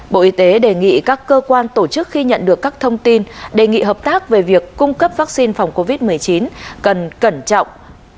bộ y tế đề nghị các cơ quan tổ chức khi nhận được các thông tin đề nghị hợp tác về việc cung cấp vaccine phòng covid một mươi chín cần cẩn trọng